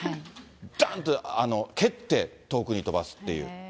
どーんと蹴って、遠くに飛ばすっていう。